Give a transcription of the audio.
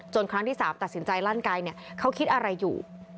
ครั้งที่๓ตัดสินใจลั่นไกเขาคิดอะไรอยู่